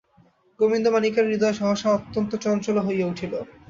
গোবিন্দমাণিক্যের হৃদয় সহসা অত্যন্ত চঞ্চল হইয়া উঠিল।